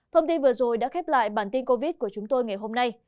thông tin vừa rồi đã khép lại bản tin covid của chúng tôi ngày hôm nay